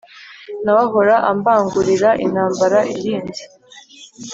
Nawe ahora ambangurira intambara irinze.